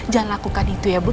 jangan lakukan itu ya bu